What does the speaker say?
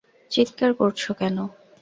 চিৎকার করছো কেন?